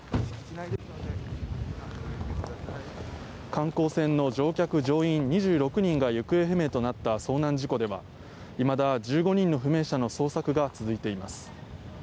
観光船の乗客・乗員２６人が行方不明となった遭難事故ではいまだ１５人の不明者の捜索が続いています。